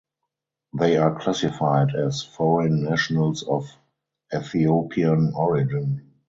They are classified as "foreign nationals of Ethiopian origin".